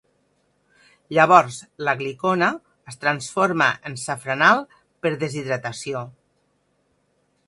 Llavors l'aglicona es transforma en safranal per deshidratació.